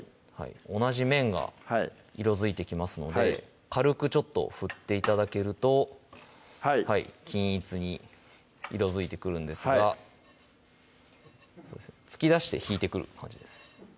同じ面が色づいてきますので軽くちょっと振って頂けるとはい均一に色づいてくるんですがはい突き出して引いてくる感じです